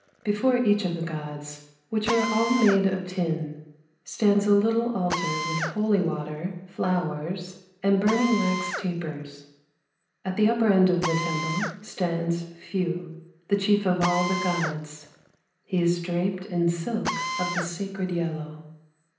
Before each of the gods — which are all made of tin — stands a little altar with holy water, flowers, and burning wax tapers. At the upper end of the Temple stands Fu, the chief of all the gods; he is draped in silk of the sacred yellow.